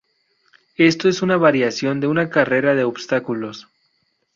Esto es una variación de una carrera de obstáculos.